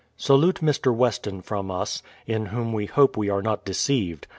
Salute Mr. Weston from us, in whom we hope we are not de ceived.